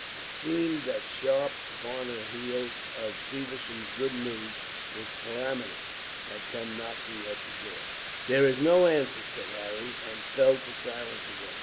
It seemed that sharp upon the heels of Feversham's good news calamity had come knocking at the door. "There is no answer," said Harry, and fell to silence again.